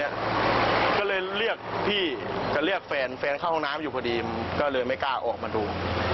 เฮ้ยมันใช่เหรอวะเรียกพี่เรีกแฟนก็ไม่กลัวออกมาดู